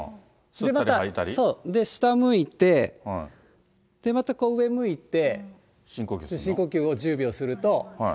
で、また下向いて、で、また上向いて、深呼吸を１０秒すると。